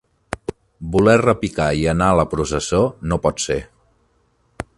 Voler repicar i anar a la processó no pot ser.